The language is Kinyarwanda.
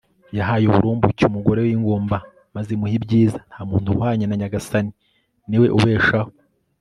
yahaye uburumbuke umugore w'ingumba maze imuha ibyiza. nta muntu uhwanye na nyagasani, ni we ubeshaho